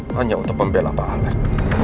hanya untuk membela pak alec